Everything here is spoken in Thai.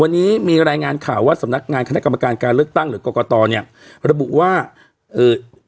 วันนี้มีรายงานข่าวว่าสำนักงานคณะกรรมการการเลือกตั้งหรือกรกตเนี่ยระบุว่าเอ่อ